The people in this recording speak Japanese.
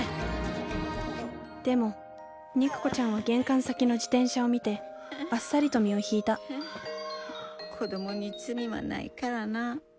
でも肉子ちゃんは玄関先の自転車を見てあっさりと身を引いた子供に罪はないからな。